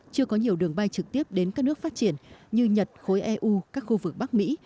chưa có nhiều đường bay trực tiếp đến các nước phát triển như nhật khối eu các khu vực bắc mỹ